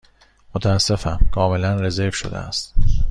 متأسفم، کاملا رزرو شده است.